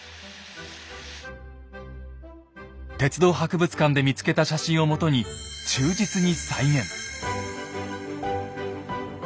鉄道博物館で見つけた写真をもとに忠実に再現。